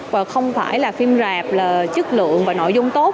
và không phải là phim rạp là chất lượng và nội dung tốt